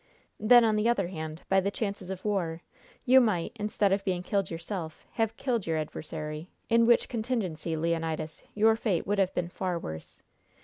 "Then, on the other hand, by the chances of war, you might, instead of being killed yourself, have killed your adversary, in which contingency, Leonidas, your fate would have been far worse.